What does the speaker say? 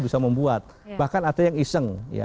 bisa membuat bahkan ada yang iseng